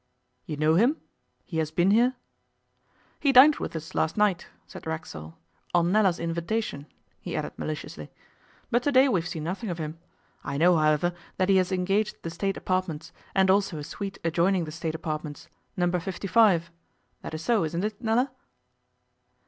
You know him? He has been here?' 'He dined with us last night,' said Racksole 'on Nella's invitation,' he added maliciously; 'but to day we have seen nothing of him. I know, however, that he has engaged the State apartments, and also a suite adjoining the State apartments No. 55. That is so, isn't it, Nella?